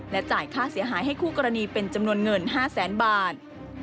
จ่ายค่าเสียหายให้คู่กรณีเป็นจำนวนเงิน๕แสนบาท